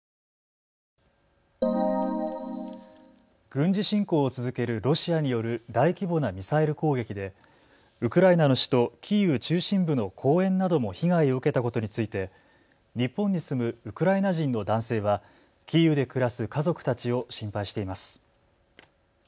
軍事侵攻を続けるロシアによる大規模なミサイル攻撃でウクライナの首都キーウ中心部の公園なども被害を受けたことについて日本に住むウクライナ人の男性はキーウで暮らす家族たちを心配しています。